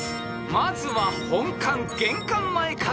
［まずは本館玄関前から出題］